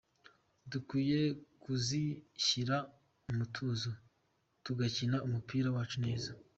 Dukwiye kuzishyira mu mutuzo tugakina umupira wacu neza.